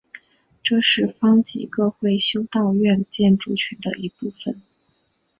这是方济各会修道院建筑群的一部分。